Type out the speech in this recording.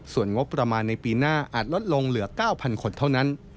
ส่วนงบประมาณในปีหน้าอาจลดลงเหลือ๙๐๐คนเท่านั้น